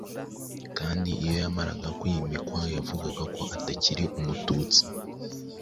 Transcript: Kandi iyo yamaraga kwimikwa, bavugaga ko "atakiri umututsi"